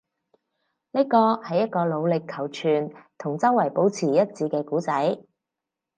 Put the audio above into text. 呢個係一個努力求存，同周圍保持一致嘅故仔